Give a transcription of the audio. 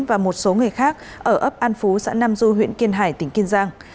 và một số người khác ở ấp an phú xã nam du huyện kiên hải tỉnh kiên giang